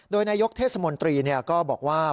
โดยนายกเทศมนตรีก็บอกว่า